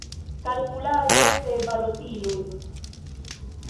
Kalkulado de balotiloj.